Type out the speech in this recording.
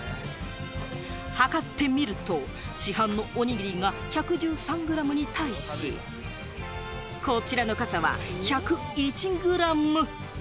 測ってみると、市販のおにぎりが１１３ｇに対し、こちらの傘は１０１ｇ。